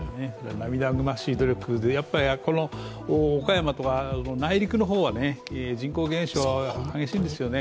涙ぐましい努力で岡山は内陸の方は人口減少が激しいんですよね。